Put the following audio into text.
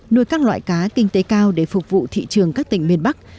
nuôi các loại cá kinh tế cao để phục vụ thị trường các tỉnh miền bắc